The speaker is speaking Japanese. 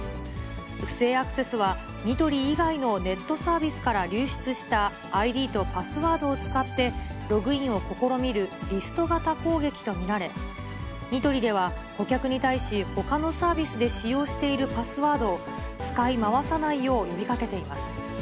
不正アクセスは、ニトリ以外のネットサービスから流出したＩＤとパスワードを使ってログインを試みる、リスト型攻撃と見られ、ニトリでは顧客に対し、ほかのサービスで使用しているパスワードを使い回さないよう呼びかけています。